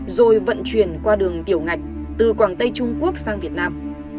rồi vận chuyển qua đường tiểu ngạch từ quảng tây trung quốc sang việt nam